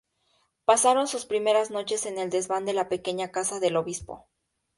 Pasaron sus primeras noches en el desván de la pequeña casa del obispo.